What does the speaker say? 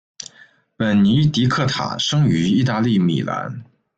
本尼迪克塔生于意大利米兰。